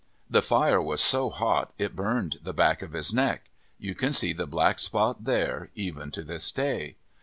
The fire was so hot it burned the back of his neck. You can see the black spot there, even to this day.